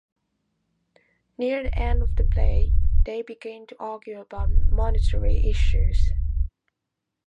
Near the end of the play, they begin to argue about monetary issues.